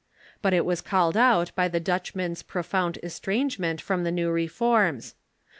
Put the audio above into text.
But it was called out by the Dutchman's profound estrangement from the new reforms.